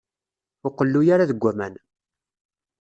Ur qellu ara deg waman.